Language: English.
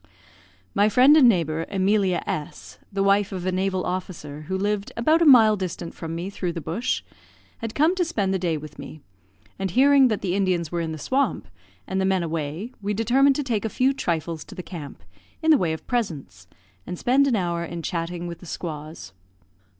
My friend and neighbour, Emilia S , the wife of a naval officer, who lived about a mile distant from me, through the bush, had come to spend the day with me; and hearing that the Indians were in the swamp, and the men away, we determined to take a few trifles to the camp, in the way of presents, and spend an hour in chatting with the squaws.